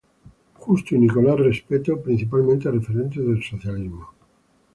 Justo y Nicolás Repetto, principales referentes del socialismo.